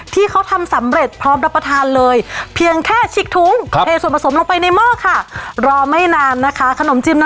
ที่เขาทำสำเร็จพร้อมรับประทานเลยเพียงแค่ฉีกถุงครับ